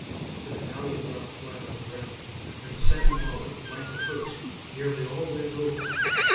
The battalion dropped flat on the ground, and the second volley, like the first, nearly all went over.